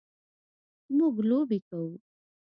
مونږ لوبې کوو